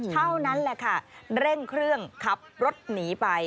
เท่านั้นแหละค่ะเร่งเครื่องขับรถหนีไป